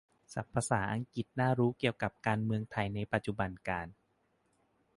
"ศัพท์ภาษาอังกฤษน่ารู้เกี่ยวกับการเมืองไทยในปัจจุบันกาล"